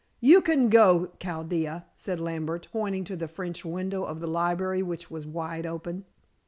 "You can go, Chaldea," said Lambert, pointing to the French window of the library, which was wide open.